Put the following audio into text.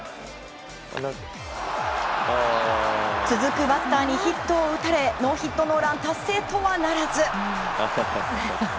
続くバッターにヒットを打たれノーヒットノーラン達成とはならず。